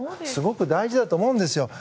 すごく大事だと思うんですよ。